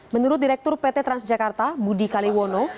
menurut direktur pt transjakarta budi kaliwono